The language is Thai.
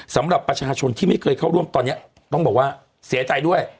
สำหรับประชาชนที่ไม่เคยเข้าร่วมตอนนี้ต้องบอกว่าเสียใจด้วย